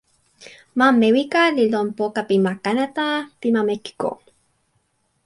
ma Mewika li lon poka pi ma Kanata pi ma Mekiko.